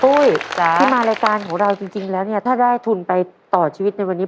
ปุ้ยที่มารายการของเราจริงแล้วเนี่ยถ้าได้ทุนไปต่อชีวิตในวันนี้